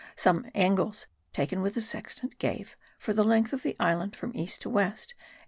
Some angles taken with the sextant gave, for the length of the island from east to west, 8.